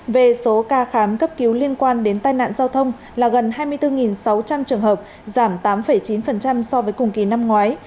về số ca khám cấp cứu liên quan đến tai nạn giao thông là gần hai mươi bốn sáu trăm linh trường hợp giảm tám chín so với cùng kỳ năm ngoái